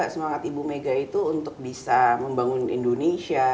semangat ibu mega itu untuk bisa membangun indonesia